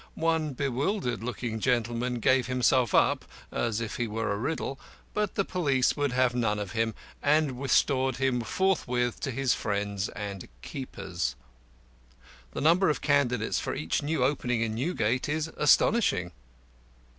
One bewildered looking gentleman gave himself up (as if he were a riddle), but the police would have none of him, and restored him forthwith to his friends and keepers. The number of candidates for each new opening in Newgate is astonishing.